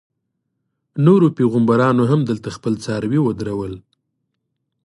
نورو پیغمبرانو هم دلته خپل څاروي ودرول.